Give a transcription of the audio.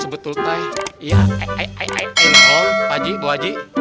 sebetulnya ya i i i i i in all pak haji bu haji